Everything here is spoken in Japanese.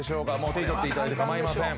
手に取っていただいて構いません。